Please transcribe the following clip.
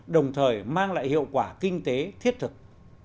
đồng thời mang lại hiệu quả kinh tế thiết thực